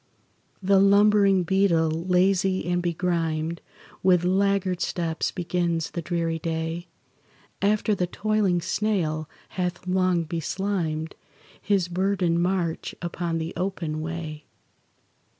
The lumbering beetle, lazy and begrimed, With laggard steps begins the dreary day, After the toiling snail hath long beslimed His burdened march upon the open way.